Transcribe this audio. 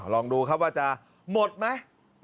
ลองดูครับว่าจะหมดไหม